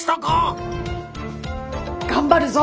頑張るぞ！